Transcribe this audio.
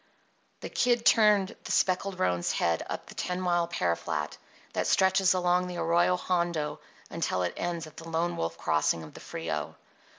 The Kid turned the speckled roan's head up the ten mile pear flat that stretches along the Arroyo Hondo until it ends at the Lone Wolf Crossing of the Frio.